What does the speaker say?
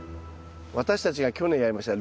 私たちが去年やりました